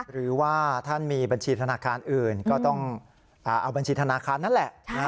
หรือว่าท่านมีบัญชีธนาคารอื่นก็ต้องเอาบัญชีธนาคารนั่นแหละ